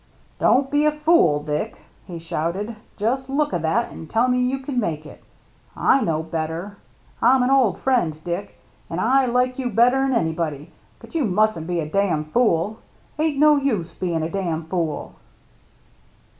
" Don't be a fool, Dick," he shouted. " Just look a' that and tell me you can make it. I know better. I'm an old friend, Dick, and I like you better'n anybody, but you mustn't be a dam' fool. Ain't no use bein' a dam' fool."